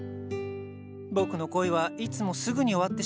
僕の恋はいつもすぐに終わってしまう！